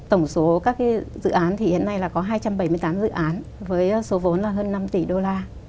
tổng số các dự án hiện nay có hai trăm bảy mươi tám dự án với số vốn hơn năm tỷ đô la